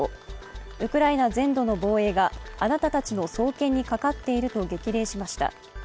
ウクライナ全土の防衛があなたたちの双肩にかかっていると激励しました。